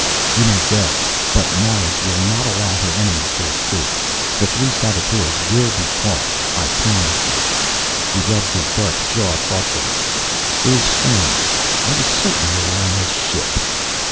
"You may go But Mars will not allow her enemies to escape. The three saboteurs will be caught, I promise you." He rubbed his dark jaw thoughtfully. "It is strange. I was certain they were on this ship."